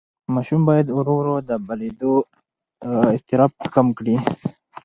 ماشوم باید ورو ورو د بېلېدو اضطراب کمه کړي.